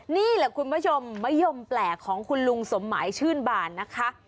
นี่แหละคุณผู้ชมมะยมแปลกของคุณลุงสมหมายชื่นบานนะคะ